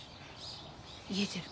言えてる。